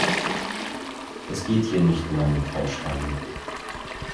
Es geht hier nicht um einen Tauschhandel.